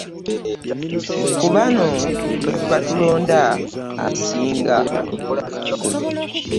Ku bano kwe tuba tulonda asinga.